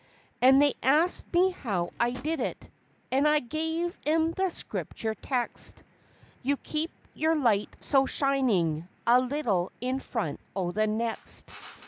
And they asked me how I did it, and I gave 'em the Scripture text, "You keep your light so shining a little in front o' the next!"